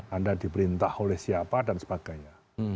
anda diperintah oleh siapa dan sebagainya